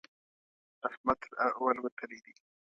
احمد تر اول وتلی دی.